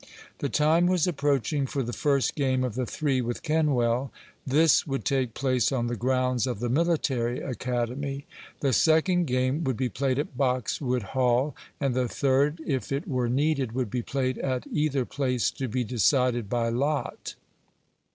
The time was approaching for the first game of the three with Kenwell. This would take place on the grounds of the military academy. The second game would be played at Boxwood Hall, and the third, if it were needed, would be played at either place, to be decided by lot.